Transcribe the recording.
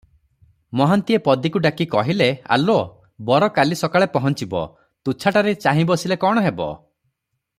ମହାନ୍ତିଏ ପଦୀକୁ ଡାକି କହିଲେ, "ଆଲୋ! ବର କାଲି ସକାଳେ ପହଞ୍ଚିବ, ତୁଚ୍ଛାଟାରେ ଚାହିଁ ବସିଲେ କଣ ହେବ?